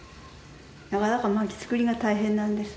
なかなか薪作りが大変なんです。